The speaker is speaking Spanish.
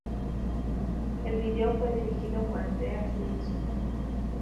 El video fue dirigido por Andreas Nilsson.